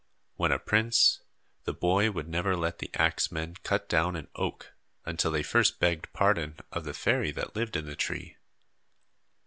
When a prince, the boy would never let the axe men cut down an oak until they first begged pardon of the fairy that lived in the tree.